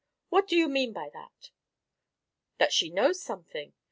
"What do you mean by that?" "That she knows something.